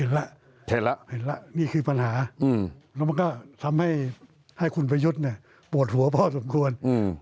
เห็นละนี่คือปัญหาแล้วมันก็ทำให้คุณประยุทธ์ปวดหัวพอสมควร